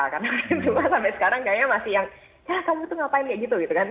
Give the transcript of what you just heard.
karena orang tua sampai sekarang kayaknya masih yang ya kamu tuh ngapain ya gitu kan